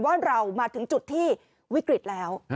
ว่าเรามาถึงจุดที่วิกฤตแล้ว